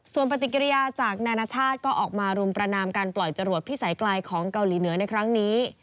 ส่วนปฏิกิริยาจากนานาชาติก็ออกมารุมประนามการปล่อยจรวดพิสัยไกลของเกาหลีเหนือในครั้งนี้